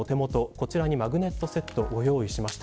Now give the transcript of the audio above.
こちらにマグネットセットをご用意しました。